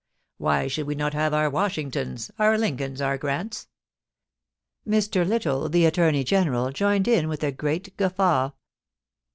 Why should we not have our Washingtons, our Lincolns, our Grants ?* Mr. Little, the Attorney General, joined in with a great guffaw.